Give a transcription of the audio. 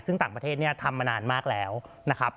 ซึ่งต่างประเทศเนี่ยทำมานานมากแล้วนะครับ